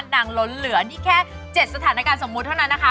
ล้นเหลือนี่แค่๗สถานการณ์สมมุติเท่านั้นนะคะ